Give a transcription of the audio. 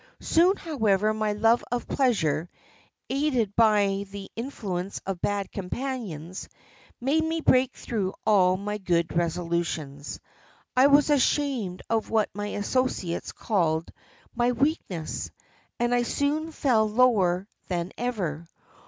Soon, however, my love of pleasure, aided by the influence of bad companions, made me break through all my good resolutions; I was ashamed of what my associates called my weakness, and I soon fell lower than ever.